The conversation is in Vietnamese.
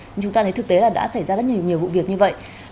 nhưng chúng ta thấy thực tế là đã xảy ra rất nhiều vụ việc như vậy